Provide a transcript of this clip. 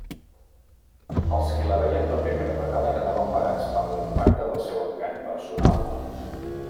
Els qui la veien per primera vegada quedaven parats per l'impacte del seu encant personal.